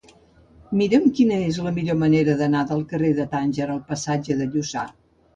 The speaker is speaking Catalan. Mira'm quina és la millor manera d'anar del carrer de Tànger al passatge de Lucà.